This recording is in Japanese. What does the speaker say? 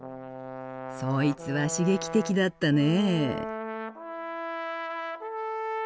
そいつは刺激的だったね。